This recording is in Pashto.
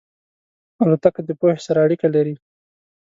الوتکه د پوهې سره اړیکه لري.